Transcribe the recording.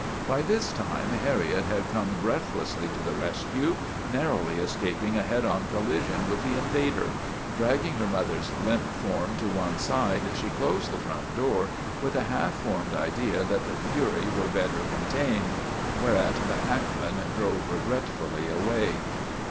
By this time Harriet had come breathlessly to the rescue, narrowly escaping a head on collision with the invader. Dragging her mother's limp form to one side she closed the front door, with the half formed idea that the fury were better con fined. Whereat the hackman drove regretfully away.